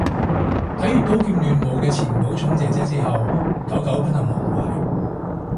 睇完刀劍亂舞啲前寶塚姐姐之後久久不能忘懷